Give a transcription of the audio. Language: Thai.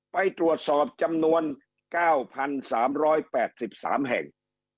ไปตรวจสอบจำนวน๙๓๘๓แห่ง